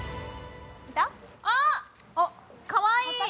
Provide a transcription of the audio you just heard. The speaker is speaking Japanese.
あ、かわいい。